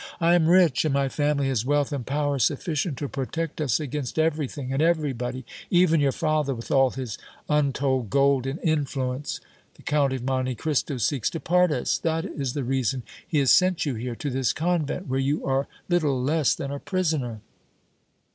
"I am rich, and my family has wealth and power sufficient to protect us against everything and everybody, even your father, with all his untold gold and influence! The Count of Monte Cristo seeks to part us; that is the reason he has sent you here, to this convent, where you are little less than a prisoner!"